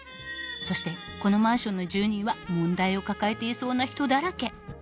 そしてこのマンションの住人は問題を抱えていそうな人だらけ。